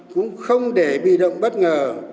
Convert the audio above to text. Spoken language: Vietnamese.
cũng không để bị động bất ngờ